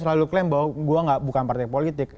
selalu klaim bahwa gue bukan partai politik